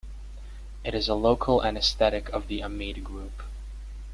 It is a local anaesthetic of the amide group.